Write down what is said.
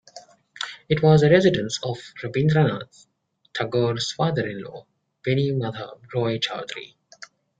It was the residence of Rabindranath Tagore's father-in-law; Beni Madhab Roy Chowdhury.